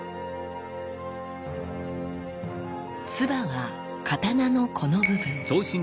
鐔は刀のこの部分。